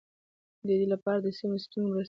دې لپاره د سیمو اوسېدونکو مرسته مهمه ده.